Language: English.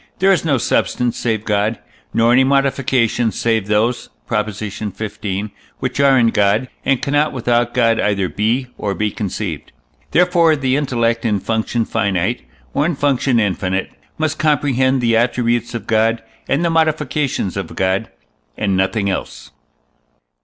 there is no substance save God, nor any modifications save those (Prop. xv.) which are in God, and cannot without God either be or be conceived. Therefore the intellect, in function finite, or in function infinite, must comprehend the attributes of God and the modifications of God, and nothing else.